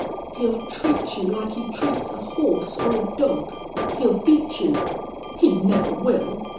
"He'll treat you like he treats a horse or a dog. He'll beat you " "He never will!